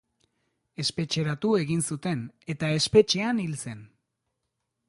Espetxeratu egin zuten, eta espetxean hil zen.